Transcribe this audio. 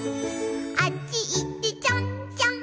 「あっちいってちょんちょん」